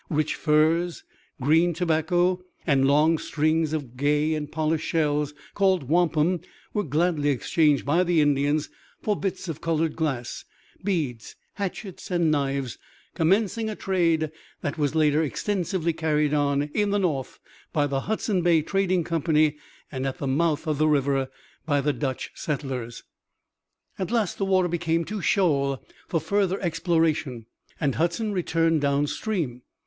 Rich furs, green tobacco and long strings of gay and polished shells called wampum were gladly exchanged by the Indians for bits of colored glass, beads, hatchets and knives, commencing a trade that was later extensively carried on in the north by the Hudson Bay Trading Company, and at the mouth of the river by the Dutch settlers. At last the water became too shoal for further exploration and Hudson returned downstream.